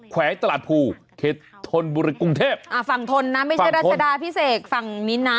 แขวงตลาดภูเขตธนบุรีกรุงเทพอ่าฝั่งทนนะไม่ใช่รัชดาพิเศษฝั่งนี้นะ